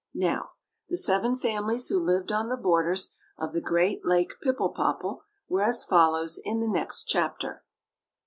Now, the seven families who lived on the borders of the great Lake Pipple popple were as follows in the next chapter.